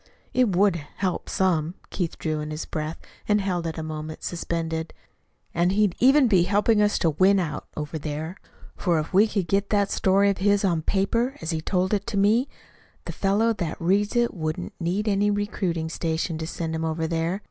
"It would help some." Keith drew in his breath and held it a moment suspended. "And he'd even be helping us to win out over there; for if we could get that story of his on paper as he told it to me, the fellow that reads it wouldn't need any recruiting station to send him over there.